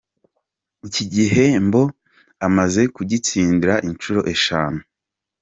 Iki gihembo amaze kugitsindira inshuro eshanu.